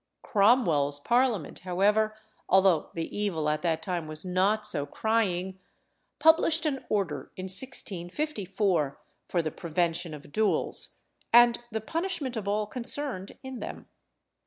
Cromwell's parliament, however although the evil at that time was not so crying published an order in 1654 for the prevention of duels, and the punishment of all concerned in them.